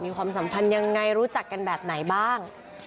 ความสัมพันธ์ยังไงรู้จักกันแบบไหนบ้าง